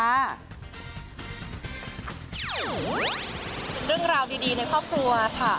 เป็นเรื่องราวดีในครอบครัวค่ะ